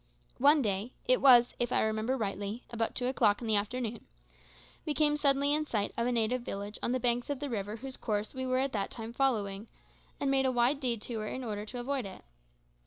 One day it was, if I remember rightly, about two o'clock in the afternoon we came suddenly in sight of a native village on the banks of the river whose course we were at that time following, and made a wide detour in order to avoid it.